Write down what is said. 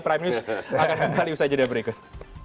prime news akan kembali usai jadwal berikut